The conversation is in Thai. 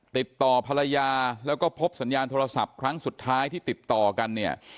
ติดต่อภรรยาแล้วก็พบสัญญาณโทรศัพท์ครั้งสุดท้ายที่ติดต่อกันเนี่ย